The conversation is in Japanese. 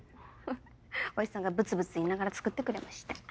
星さんがブツブツ言いながら作ってくれました。